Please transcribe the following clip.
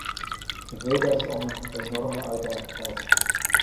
Ik weet dat het om een enorme uitdaging gaat.